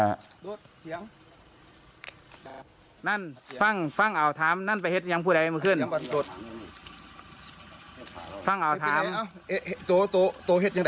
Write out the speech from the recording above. รู้สาเหตุเขาสิ